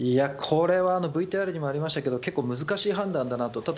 これはＶＴＲにもありましたけど結構難しい判断だなと。